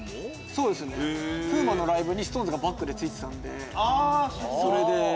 そうですね風磨のライブにＳｉｘＴＯＮＥＳがバックでついてたんでそれで。